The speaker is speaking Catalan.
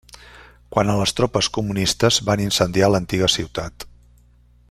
Quant a les tropes comunistes, van incendiar l'antiga ciutat.